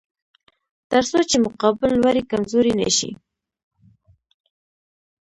تر څو چې مقابل لوری کمزوری نشي.